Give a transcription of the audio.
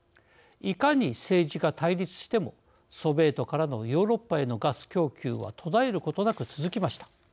いかに政治が対立してもソビエトからのヨーロッパへのガス供給は途絶えることなく続きました。